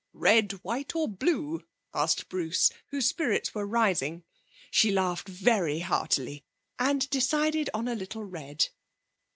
'Red, white, or blue?' asked Bruce, whose spirits were rising. She laughed very heartily, and decided on a little red.